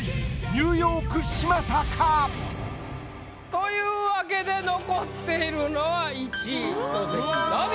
ニューヨーク・嶋佐か？というわけで残っているのは１位１席のみ！